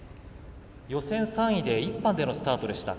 予選３位で１班でのスタートでした。